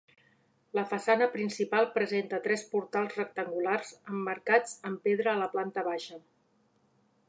La façana principal presenta tres portals rectangulars emmarcats en pedra a la planta baixa.